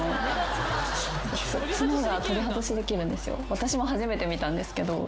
私も初めて見たんですけど。